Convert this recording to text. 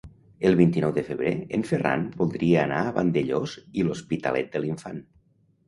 El vint-i-nou de febrer en Ferran voldria anar a Vandellòs i l'Hospitalet de l'Infant.